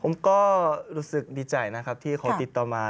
ผมก็รู้สึกดีใจนะครับที่เขาติดต่อมา